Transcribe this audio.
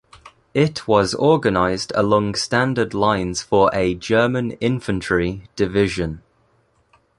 It was organized along standard lines for a German infantry division.